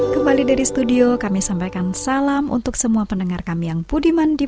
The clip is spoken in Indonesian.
kembali dari studio kami sampaikan salam untuk semua pendengar kami yang pudiman dimanapun anda berada